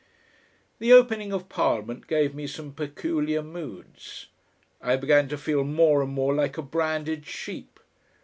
The opening of Parliament gave me some peculiar moods. I began to feel more and more like a branded sheep.